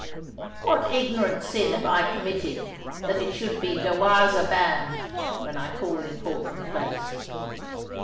What ignorant sin have I committed that it should be 'Darwaza band' when I call in Portland Place?